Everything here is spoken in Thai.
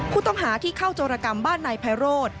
ผู้ต้องหาที่เข้าโจรกรรมบ้านนายไพโรธ